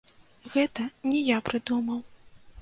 Гэта не я прыдумаў.